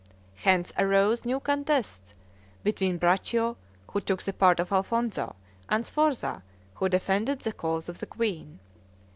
Hence arose new contests between Braccio, who took the part of Alfonzo, and Sforza, who defended the cause of the queen.